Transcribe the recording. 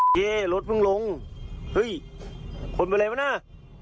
เย้รถเพิ่งลงเฮ้ยคนไปไหนบ้างน่ะ